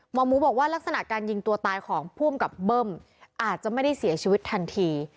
หมอหมูบอกว่าลักษณะการยิงตัวตายของภูมิกับเบิ้มอาจจะไม่ได้เสียชีวิตทันที